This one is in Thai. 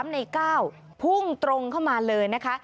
ใน๙พุ่งตรงเข้ามาเลยนะคะ